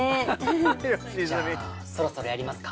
じゃあそろそろやりますか。